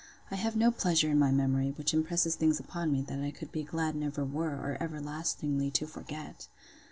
—I have no pleasure in my memory, which impresses things upon me, that I could be glad never were, or everlastingly to forget.